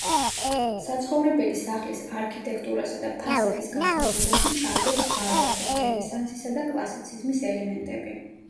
საცხოვრებელი სახლის არქიტექტურასა და ფასადის გაფორმებაში ჭარბობს ბაროკოს, რენესანსისა და კლასიციზმის ელემენტები.